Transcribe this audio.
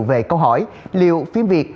về câu hỏi liệu phim việt